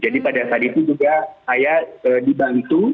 jadi pada saat itu juga saya dibantu